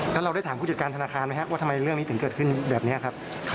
แล้วเราได้ถามผู้จัดการธนาคารไหมครับว่าทำไมเรื่องนี้ถึงเกิดขึ้นแบบนี้ครับ